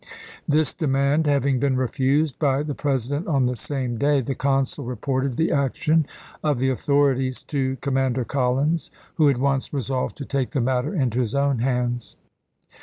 This demand having been refused by the President on the same day, the consul reported the action of the authorities to Commander Collins, who at once resolved to take the matter into his own hands.